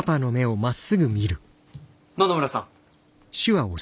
野々村さん。